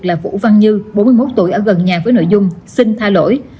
là vũ văn như bốn mươi một tuổi ở gần nhà với nội dung xin tha lỗi